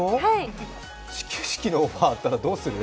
始球式のオファーあったらどうする？